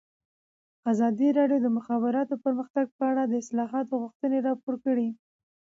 ازادي راډیو د د مخابراتو پرمختګ په اړه د اصلاحاتو غوښتنې راپور کړې.